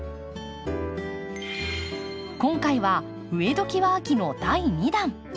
今回は「植えどきは秋！」の第２弾。